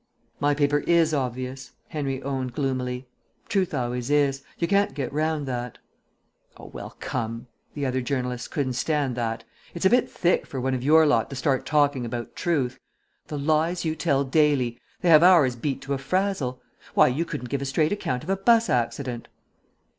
"My paper is obvious," Henry owned gloomily. "Truth always is. You can't get round that." "Oh, well, come," the other journalist couldn't stand that "it's a bit thick for one of your lot to start talking about truth. The lies you tell daily they have ours beat to a frazzle. Why, you couldn't give a straight account of a bus accident!"